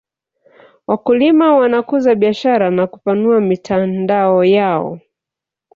wakulima wanakuza biashara na kupanua mitandao yao